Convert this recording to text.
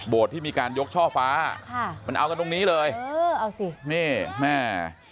ที่มีการยกช่อฟ้าค่ะมันเอากันตรงนี้เลยเออเอาสินี่แม่